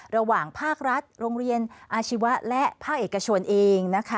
ระหว่างภาครัฐโรงเรียนอาชีวะและภาคเอกชนเองนะคะ